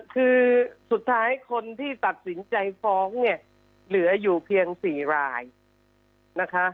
คือสุดท้ายคนที่ตัดสินใจฟ้องเนี่ยเหลืออยู่เพียง๔รายนะคะ